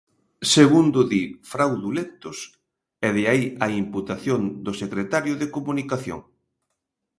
Segundo di, fraudulentos, e de aí a imputación do secretario de Comunicación.